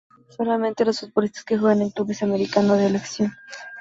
Solamente los futbolistas que juegan en clubes americanos son de elección.